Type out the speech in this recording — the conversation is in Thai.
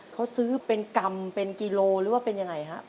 เขาซื้อเป็นกรรมเป็นกิโลหรือว่าเป็นยังไงฮะ